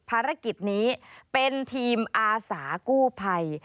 ภารกิจนี้เป็นทีมอาสากู้ภัย